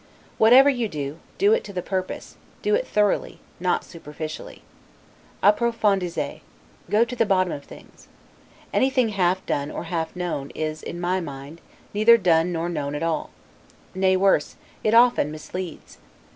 Whatever you do, do it to the purpose; do it thoroughly, not superficially. 'Approfondissez': go to the bottom of things. Any thing half done or half known, is, in my mind, neither done nor known at all. Nay worse, it often misleads.